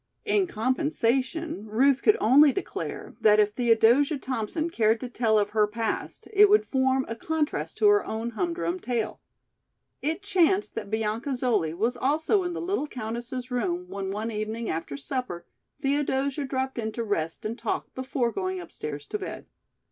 In compensation Ruth could only declare that if Theodosia Thompson cared to tell of her past it would form a contrast to her own humdrum tale. It chanced that Bianca Zoli was also in the little countess's room when one evening after supper Theodosia dropped in to rest and talk before going upstairs to bed.